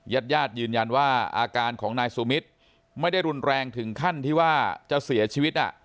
ญาติญาติยืนยันว่าอาการของนายสุมิตรไม่ได้รุนแรงถึงขั้นที่ว่าจะเสียชีวิต